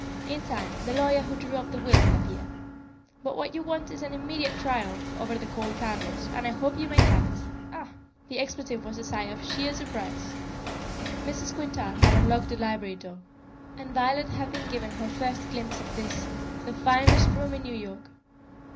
"In time, the lawyer who drew up the will will appear. But what you want is an immediate triumph over the cold Carlos, and I hope you may have it. Ah!" This expletive was a sigh of sheer surprise. Mrs. Quintard had unlocked the library door and Violet had been given her first glimpse of this, the finest room in New York.